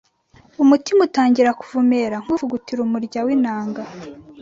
Umutima utangira kuvumera Nk’ uvugutira umurya w’ inanga